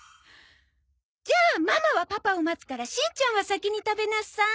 じゃあママはパパを待つからしんちゃんは先に食べなさい。